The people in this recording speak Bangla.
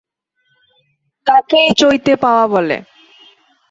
তাকেই চৈতে পাওয়া বলে।